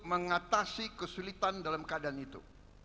mengatasi kesulitan dalam keadaan itu